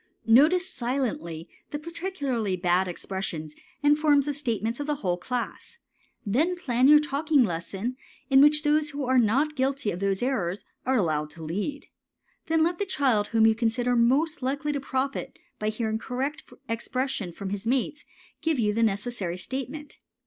Notice silently the peculiarly bad expressions and forms of statements of the whole class, then plan your talking lesson in which those who are not guilty of those errors are allowed to lead. Then let the child whom you consider most likely to profit by hearing correct expression from his mates give you the necessary statement.